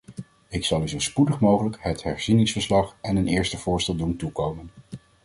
Ik zal u zo spoedig mogelijk het herzieningsverslag en een eerste voorstel doen toekomen.